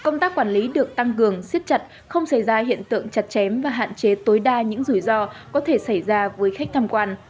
công tác quản lý được tăng cường siết chặt không xảy ra hiện tượng chặt chém và hạn chế tối đa những rủi ro có thể xảy ra với khách tham quan